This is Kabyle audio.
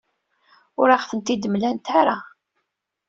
Ur aɣ-tent-id-mlant ara.